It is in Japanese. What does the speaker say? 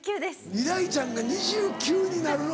未来ちゃんが２９になるの。